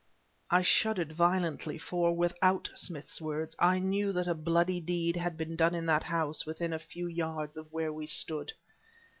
I shuddered violently, for, without Smith's words, I knew that a bloody deed had been done in that house within a few yards of where we stood.